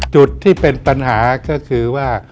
จุดที่เป็นปัญหาก็คือว่า